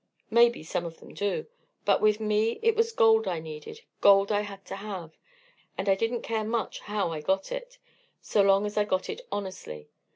Maybe some of them do; but with me it was gold I needed, gold I had to have, and I didn't care much how I got it, so long as I got it honestly.